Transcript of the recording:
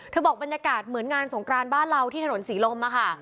บอกบรรยากาศเหมือนงานสงกรานบ้านเราที่ถนนศรีลมอะค่ะ